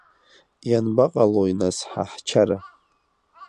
Ианбаҟалои нас ҳа ҳчара.